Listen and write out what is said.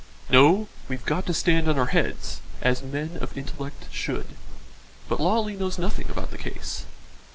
"No, we've got to stand on our heads, as men of intellect should. But Lawley knows nothing about the case."